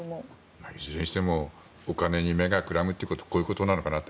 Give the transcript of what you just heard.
いずれにしてもお金に目がくらむってこういうことなのかなと。